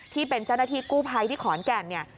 ที่เป็นเจ้าหน้าที่กู้ภัยที่ขอนแก่นเนี่ย